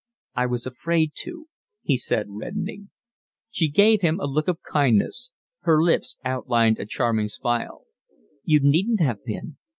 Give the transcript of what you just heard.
"I was afraid to," he said, reddening. She gave him a look full of kindness. Her lips outlined a charming smile. "You needn't have been."